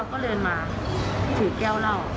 แล้วก็เปรียกข้างหลัง